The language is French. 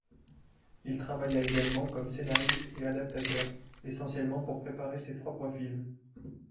Il travailla également comme scénariste et adaptateur, essentiellement pour préparer ses propres films.